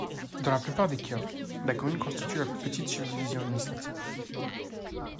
Dans la plupart des cas, la commune constitue la plus petite subdivision administrative.